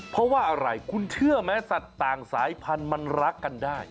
เพราะว่าอะไรคุณเชื่อไหมสัตว์ต่างสายพันธุ์มันรักกันได้